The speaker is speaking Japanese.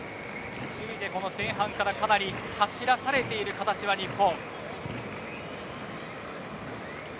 守備でこの前半かなり走らされている形の日本。